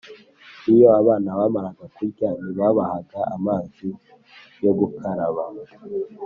Iyo abana bamaraga kurya ntibabahaga amazi yo gukaraba;